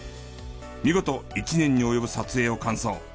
見事１年に及ぶ撮影を完走。